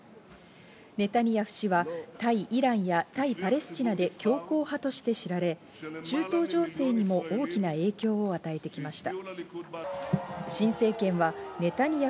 ネタニヤフ氏は対イランや対パレスチナで強硬派として知られ、中東情勢にも大きな影響を与えてきました。